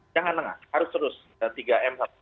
jangan tengah harus terus tiga m saja